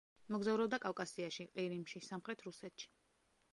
მოგზაურობდა კავკასიაში, ყირიმში, სამხრეთ რუსეთში.